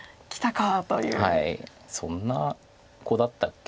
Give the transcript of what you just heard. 「そんな子だったけ？」